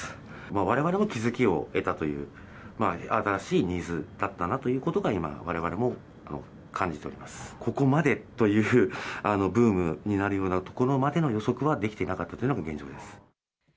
われわれも気付きを得たという、新しいニーズだったなということが、今、うなところまでの予測はできていなかったというのが現状です。